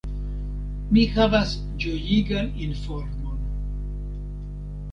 Mi havas ĝojigan informon.